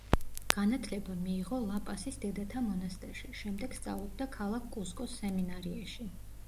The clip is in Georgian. განათლება მიიღო ლა-პასის დედათა მონასტერში, შემდეგ სწავლობდა ქალაქ კუსკოს სემინარიაში.